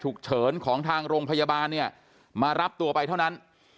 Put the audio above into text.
ฉุกเฉินของทางโรงพยาบาลเนี่ยมารับตัวไปเท่านั้น